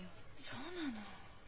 そうなの。